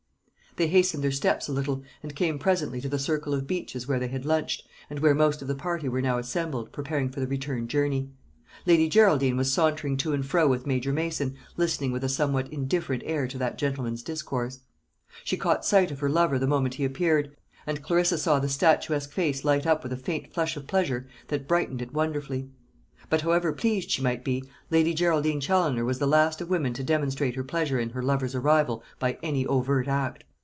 They hastened their steps a little, and came presently to the circle of beeches where they had lunched, and where most of the party were now assembled, preparing for the return journey. Lady Geraldine was sauntering to and fro with Major Mason, listening with a somewhat indifferent air to that gentleman's discourse. She caught sight of her lover the moment he appeared; and Clarissa saw the statuesque face light up with a faint flush of pleasure that brightened it wonderfully. But however pleased she might be, Lady Geraldine Challoner was the last of women to demonstrate her pleasure in her lover's arrival by any overt act.